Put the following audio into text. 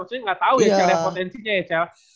maksudnya nggak tahu ya potensinya ya cel